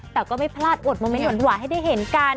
แต่ก็ไม่พลาดอวดโมเมนต์หวานให้ได้เห็นกัน